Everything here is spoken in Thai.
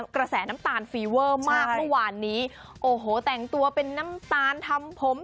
กระแสน้ำตาลฟีเวอร์มากเมื่อวานนี้โอ้โหแต่งตัวเป็นน้ำตาลทำผม